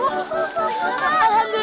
rasanya kayak ada ada